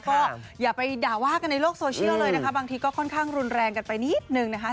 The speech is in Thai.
ก็อย่าไปด่าว่ากันในโลกโซเชียลเลยนะคะบางทีก็ค่อนข้างรุนแรงกันไปนิดนึงนะคะ